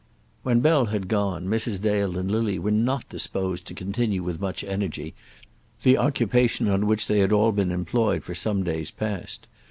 When Bell had gone, Mrs. Dale and Lily were not disposed to continue with much energy the occupation on which they had all been employed for some days past.